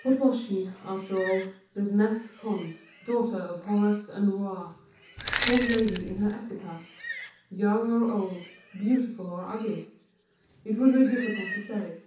What was she, after all, this Nes Khons, daughter of Horus and Rouaa, called Lady in her epitaph? Young or old, beautiful or ugly? It would be difficult to say.